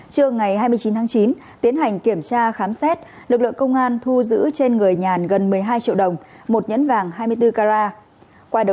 trưa ngày hai mươi chín tháng chín tiến hành kiểm tra khám xét lực lượng công an thu giữ trên người nhàn gần một mươi hai triệu đồng một nhẫn vàng hai mươi bốn carat